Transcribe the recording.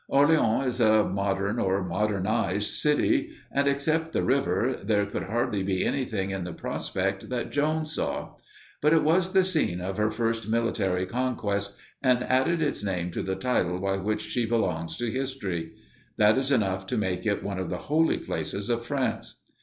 Orleans is a modern, or modernized city, and, except the river, there could hardly be anything in the prospect that Joan saw. But it was the scene of her first military conquest, and added its name to the title by which she belongs to history. That is enough to make it one of the holy places of France.